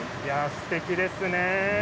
すてきですね。